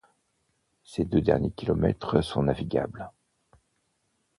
Ses deux derniers kilomètres sont navigables.